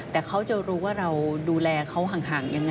แต่เขาจะรู้ว่าเราดูแลเขาห่างยังไง